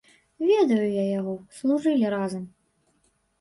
Ведаю я яго, служылі разам.